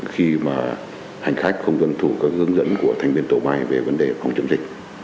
khi mà hành khách không tuân thủ các hướng dẫn của thành viên tổ bay về vấn đề phòng chống dịch